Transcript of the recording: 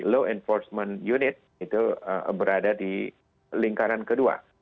law enforcement unit itu berada di lingkaran kedua